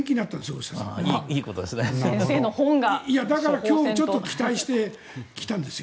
だから今日ちょっと期待して来たんですよ。